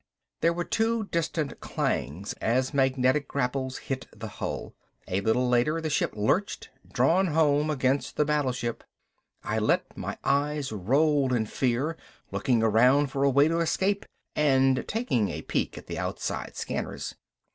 There were two distant clangs as magnetic grapples hit the hull. A little later the ship lurched, drawn home against the battleship. I let my eyes roll in fear, looking around for a way to escape and taking a peek at the outside scanners.